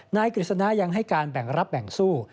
กฤษณะยังให้การแบ่งรับแบ่งสู้